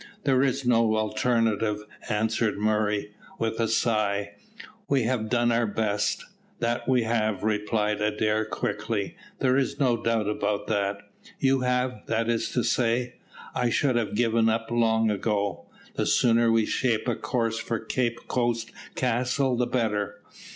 "There is no alternative," answered Murray, with a sigh. "We have done our best." "That we have," replied Adair quickly. "There is no doubt about that. You have, that is to say I should have given up long ago. The sooner we shape a course for Cape Coast Castle the better."